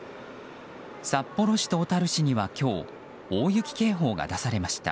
札幌市と小樽市には今日大雪警報が出されました。